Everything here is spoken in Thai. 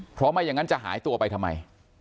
เพราะไม่อย่างนั้นจะหายตัวไปทำไม